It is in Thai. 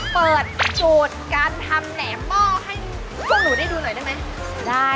เปิดโจทย์การทำแหนมหม้อให้พวกหนูได้ดูหน่อยได้ไหมได้